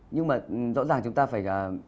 nhưng mà rõ ràng chúng ta phải